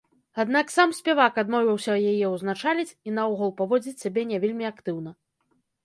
Аднак сам спявак адмовіўся яе ўзначаліць, і наогул паводзіць сябе не вельмі актыўна.